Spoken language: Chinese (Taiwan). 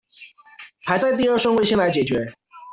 排在第二順位先來解決